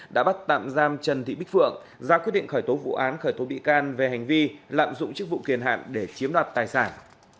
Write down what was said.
đã bắt tạm giam trần thị bích phượng ra quyết định khởi tố vụ án khởi tố bị can về hành vi lạm dụng chức vụ kiền hạn để chiếm đoạt tài sản